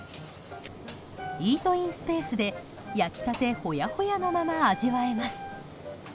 イートインスペースで焼きたてほやほやのまま味わえます。